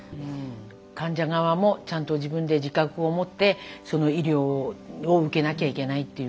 患者側もちゃんと自分で自覚を持ってその医療を受けなきゃいけないっていう。